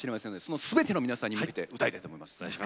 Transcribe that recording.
そのすべての皆さんに向けて歌いたいと思います。